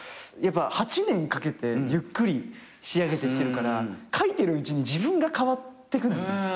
やっぱ８年かけてゆっくり仕上げてきてるから書いてるうちに自分が変わってくる。